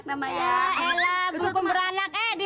kalau makan yang lain kek mangga lagi